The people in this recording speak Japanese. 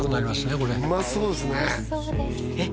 これうまそうですねえっ